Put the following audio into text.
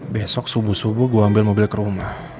besok subuh subuh gue ambil mobil ke rumah